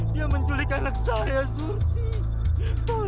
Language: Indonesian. dia menculik anak saya surfi